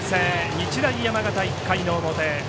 日大山形、１回の表。